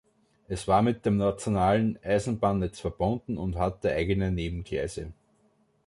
Es war mit dem nationalen Eisenbahnnetz verbunden und hatte eigene Nebengleise.